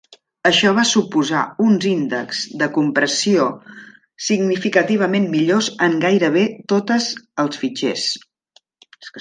Això va suposar uns índex de compressió significativament millors en gairebé totes els fitxers.